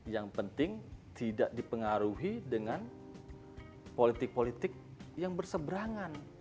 yang penting tidak dipengaruhi dengan politik politik yang berseberangan